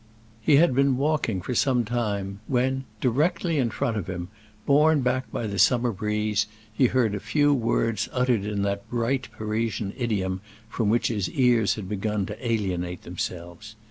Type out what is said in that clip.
He had been walking for some time, when, directly in front of him, borne back by the summer breeze, he heard a few words uttered in that bright Parisian idiom from which his ears had begun to alienate themselves.